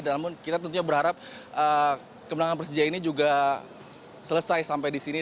namun kita tentunya berharap kemenangan persija ini juga selesai sampai di sini